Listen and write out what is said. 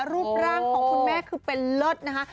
รูปร่างของคุณแม่คือเป็นเลิศนะคะ